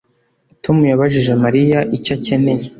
Tom yabajije Mariya icyo akeneye